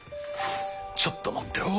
ちょっと待ってろ。